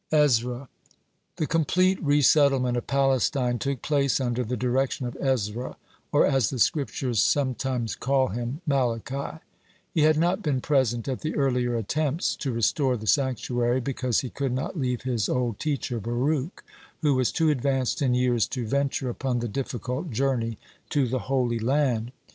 (32) EZRA The complete resettlement of Palestine took place under the direction of Ezra, or, as the Scriptures sometimes call him, Malachi. (33) He had not been present at the earlier attempts (34) to restore the sanctuary, because he could not leave his old teacher Baruch, who was too advanced in years to venture upon the difficult journey to the Holy Land.